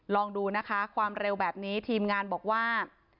ลองดูนะคะความเร็วแบบนี้ทีมงานบอกว่า